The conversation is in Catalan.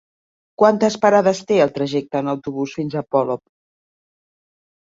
Quantes parades té el trajecte en autobús fins a Polop?